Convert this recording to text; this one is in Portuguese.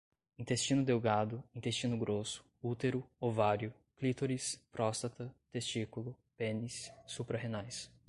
intestino delgado, intestino grosso, útero, ovário, clítoris, próstata, testículo, pênis, suprarrenais